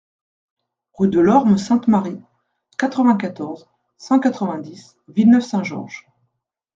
Rue de l'Orme Sainte-Marie, quatre-vingt-quatorze, cent quatre-vingt-dix Villeneuve-Saint-Georges